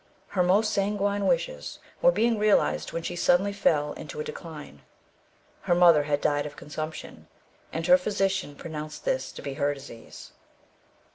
Her most sanguine wishes were being realized when she suddenly fell into a decline. Her mother had died of consumption, and her physician pronounced this to be her disease.